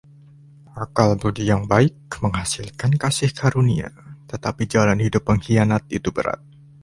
Akal budi yang baik menghasilkan kasih karunia, tetapi jalan hidup pengkhianat itu berat.